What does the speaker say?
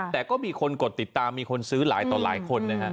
แต่ก็มีคนกดติดตามมีคนซื้อหลายต่อหลายคนนะฮะ